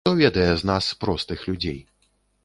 Хто ведае з нас, простых людзей.